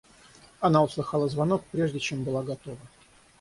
Она услыхала звонок прежде, чем была готова.